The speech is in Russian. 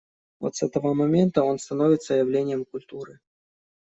Вот с этого момента он становится явлением культуры.